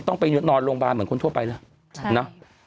ต้องไปนอนโรงพยาบาลเหมือนคนทั่วไปแล้วนะ